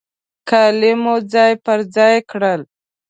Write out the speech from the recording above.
کالي مو ځای پر ځای کړل.